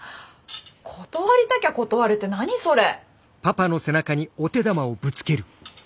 断りたきゃ断れって何それ。